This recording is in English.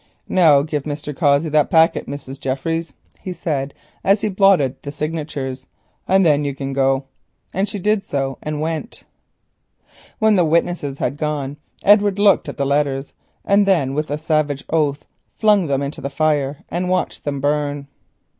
"Now give Mr. Cossey the packet, Mrs. Jeffries," he said, as he blotted the signatures, "and you can go." She did so and went. When the witnesses had gone Edward looked at the letters, and then with a savage oath flung them into the fire and watched them burn.